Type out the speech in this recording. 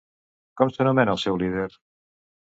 Com s'anomena el seu líder?